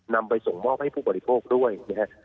นำไปส่งมอบให้ผู้บริโภคด้วยนะครับ